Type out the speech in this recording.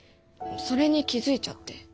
それに気付いちゃって。